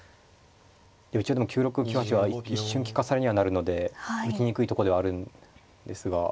一応でも９六９八は一瞬利かされにはなるので打ちにくいとこではあるんですが。